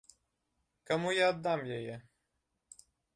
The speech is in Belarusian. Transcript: Каму я аддам яе?